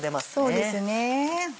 そうですね。